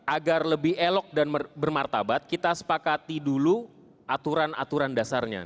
agar lebih elok dan bermartabat kita sepakati dulu aturan aturan dasarnya